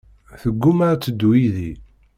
Teggumma ad teddu yid-i.